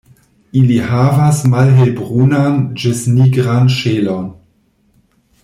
Ili havas malhelbrunan ĝis nigran ŝelon.